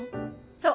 そう。